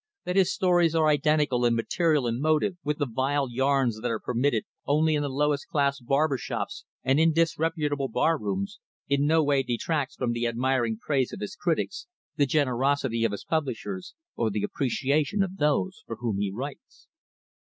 That his stories are identical in material and motive with the vile yarns that are permitted only in the lowest class barber shops and in disreputable bar rooms, in no way detracts from the admiring praise of his critics, the generosity of his publishers, or the appreciation of those for whom he writes.